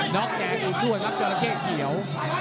นอร์กแจงอีกกว้นนะครับจัดต่างเท้เขียว